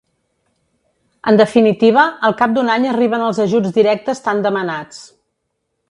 En definitiva, al cap d’un any arriben els ajuts directes tan demanats.